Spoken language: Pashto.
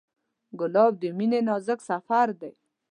ګلاب د مینې نازک سفر دی.